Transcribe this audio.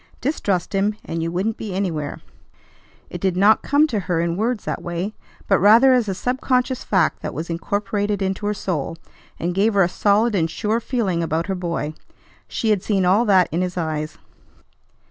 Distrust him, and you wouldn't be anywhere. It did not come to her in words that way, but rather as a subconscious fact that was incorporated into her soul, and gave her a solid and sure feeling about her boy. She had seen all that in his eyes.